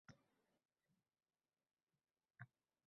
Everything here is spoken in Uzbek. Lekin hozir ro`y berayotgan voqea uning tushiga ham kirmagandi